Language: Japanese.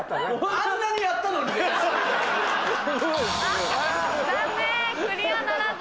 あんなにやったのに⁉ブだブ。